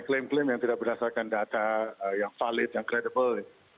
klaim klaim yang tidak berdasarkan data yang valid yang kredibel